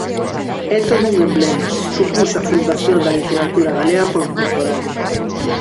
É todo un emblema, supuxo a fundación da literatura galega contemporánea.